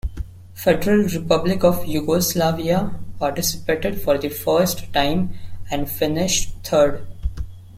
Federal Republic of Yugoslavia participated for the first time and finished third.